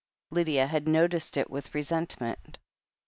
Lydia had noticed it with resentment.